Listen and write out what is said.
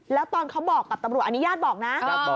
แล้วตอนเขาบอกกับตำรวจอันนี้ญาติบอกนะ